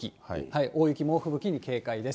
大雪、猛吹雪に警戒です。